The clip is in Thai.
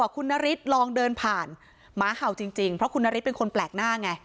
คุณนฤทธิ์ลองเดินผ่านหมาเห่าจริงเพราะคุณนฤทธิเป็นคนแปลกหน้าไง